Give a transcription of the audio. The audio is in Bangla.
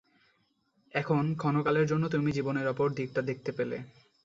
এখন ক্ষণকালের জন্য তুমি জীবনের অপর দিকটা দেখতে পেলে।